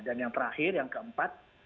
dan yang terakhir yang keempat